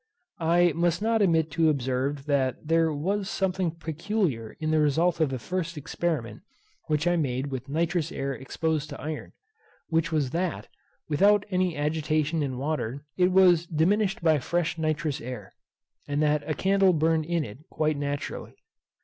I must not omit to observe that there was something peculiar in the result of the first experiment which I made with nitrous air exposed to iron; which was that, without any agitation in water, it was diminished by fresh nitrous air, and that a candle burned in it quite naturally.